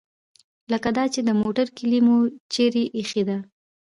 لکه دا چې د موټر کیلي مو چیرې ایښې ده.